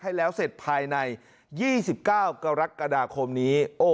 ให้แล้วเสร็จภายใน๒๙กรกฎาคมนี้